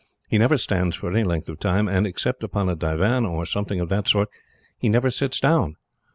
He never stands for any length of time and, except upon a divan or something of that sort, he never sits down.